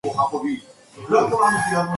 His nephew is Stephen Hyams.